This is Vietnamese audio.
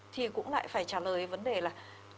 thì cũng lại phải trả lời vấn đề là